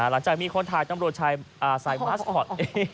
หลังจากนี้มีคนถ่ายตำรวจใส่มาสคอต